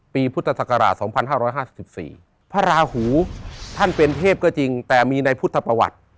ปีพุทธศักราช๒๕๕๔พระราหูท่านเป็นเทพก็จริงแต่มีในพุทธประวัติ